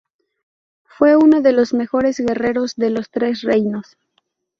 Fue uno de los mejores guerreros de los Tres Reinos.